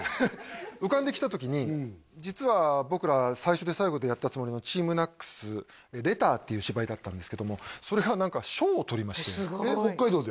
浮かんできた時に実は僕ら最初で最後でやったつもりのＴＥＡＭＮＡＣＳ「ＬＥＴＴＥＲ」っていう芝居だったんですけどもそれが何か賞をとりましてえっ北海道で？